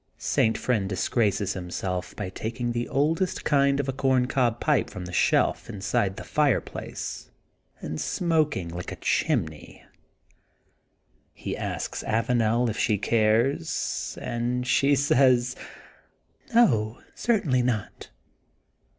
St. Friend disgraces himself by taking the oldest kind of a corncob pipe from a shelf inside the fireplace and smoking like a chim ney. He asks Avanel if she cares and she saySy No, certainly not.